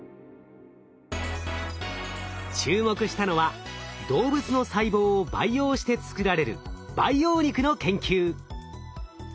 注目したのは動物の細胞を培養して作られる培養肉の研究。